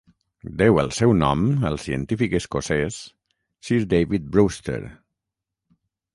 Deu el seu nom al científic escocès, Sir David Brewster.